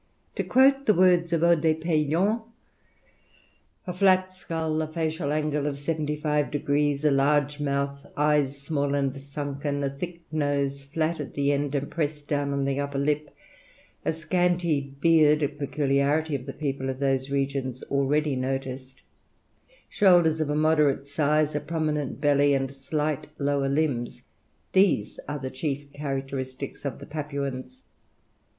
To quote the words of Odet Pellion, "a flat skull, a facial angle of 75 degrees, a large mouth, eyes small and sunken, a thick nose, flat at the end and pressed down on the upper lip, a scanty beard, a peculiarity of the people of those regions already noticed, shoulders of a moderate size, a prominent belly, and slight lower limbs; these are the chief characteristics of the Papuans.